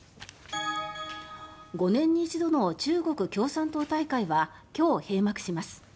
５年に一度の中国共産党大会は今日、閉幕します。